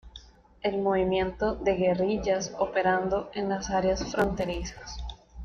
El movimiento de guerrillas, operando en las áreas fronterizas.